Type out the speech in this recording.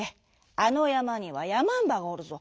あのやまにはやまんばがおるぞ。